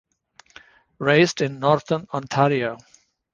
Raised in Northern Ontario.